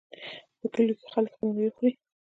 په کلیو کې خلک خپلې میوې خوري.